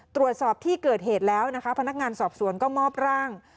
ตรวจสอบที่เกิดเหตุแล้วนะคะพนักงานสอบสวนก็มอบร่าง